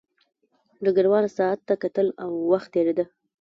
ډګروال ساعت ته کتل او وخت تېرېده